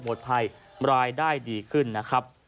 ภัยรายได้ดีขึ้นนะครับ